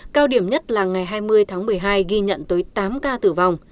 cao điểm nhất là ngày hai mươi tháng một mươi hai ghi nhận tới tám ca tử vong